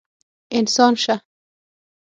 انسان شه!